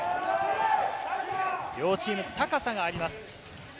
両チーム高さがあります。